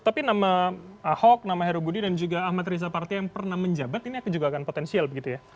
tapi nama ahok nama heru budi dan juga ahmad riza partia yang pernah menjabat ini juga akan potensial begitu ya